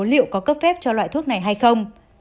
liệu có cấp phép cho loại thuốc này hay không